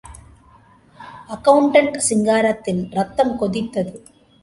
Accountant சிங்காரத்தின், ரத்தம் கொதித்தது.